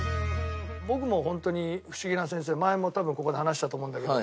僕もホントに不思議な先生前も多分ここで話したと思うんだけど。